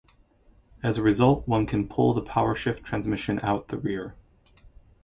As a result, one can pull the powershift transmission out the rear.